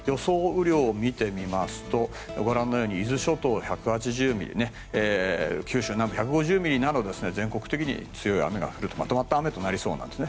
雨量を見てみますと伊豆諸島１８０ミリ九州南部１５０ミリなど全国的にまとまった雨となりそうです。